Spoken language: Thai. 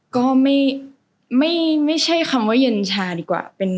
ก็ไม่ใช่คำว่าเย็นชาดีกว่า